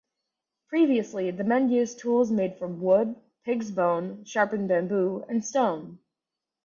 Previously, the men used tools made from wood, pig's bone, sharpened bamboo and stone.